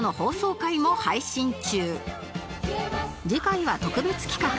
次回は特別企画！